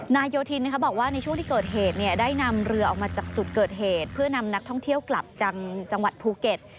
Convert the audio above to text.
โยธินบอกว่าในช่วงที่เกิดเหตุได้นำเรือออกมาจากจุดเกิดเหตุเพื่อนำนักท่องเที่ยวกลับจังหวัดภูเก็ต